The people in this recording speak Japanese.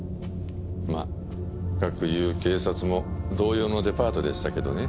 まあかくいう警察も同様のデパートでしたけどね。